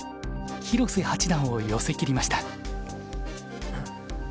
広瀬八段を寄せきりました。